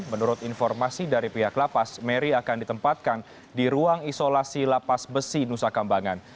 menurut informasi dari pihak lapas mary akan ditempatkan di ruang isolasi lapas besi nusa kambangan